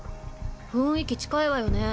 雰囲気近いわよね。